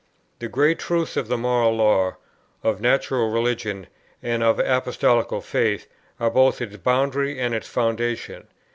The great truths of the moral law, of natural religion, and of Apostolical faith, are both its boundary and its foundation.